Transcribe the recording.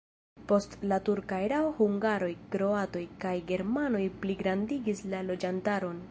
Post la turka erao hungaroj, kroatoj kaj germanoj pligrandigis la loĝantaron.